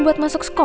buat masuk sekolah